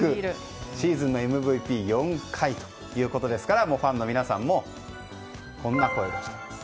シーズンのＭＶＰ４回ということですからファンの皆さんもこんな声を出しています。